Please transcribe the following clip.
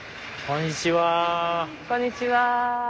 こんにちは。